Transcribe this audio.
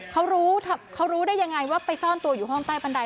เขารู้ได้อย่างไรว่าไปซ่อนตัวอยู่ห้องใต้บันได